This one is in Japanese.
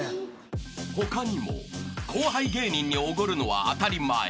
［他にも後輩芸人におごるのは当たり前］